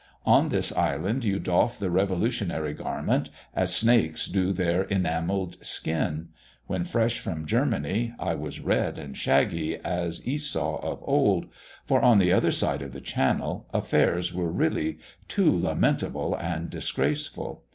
On this island you doff the revolutionary garment, as snakes do their enamelled skin. When fresh from Germany, I was red and shaggy, as Esau of old; for on the other side of the Channel, affairs were really too lamentable and disgraceful.